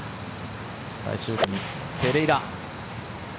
最終組、ペレイラ。